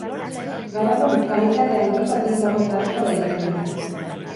Gaur egun, kalitate handiko tinta mota asko egiten dira.